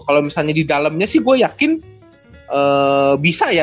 kalau misalnya di dalamnya sih gue yakin bisa ya